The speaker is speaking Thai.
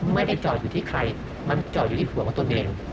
ไม่ได้จอดอยู่ที่ใครมันจอดอยู่ที่หัวของตนเอง